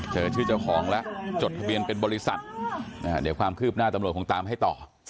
เจอชื่อเจ้าของแล้วจดทะเบียนเป็นบริษัทเดี๋ยวความคืบหน้าตำรวจคงตามให้ต่อ